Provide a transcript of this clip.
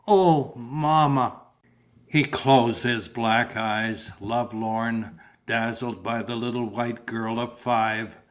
Oh ... mamma!" He closed his black eyes, lovelorn, dazzled by the little white girl of five.